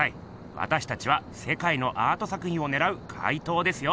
わたしたちはせかいのアート作ひんをねらうかいとうですよ。